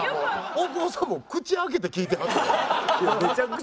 大久保さんも口開けて聞いてはった。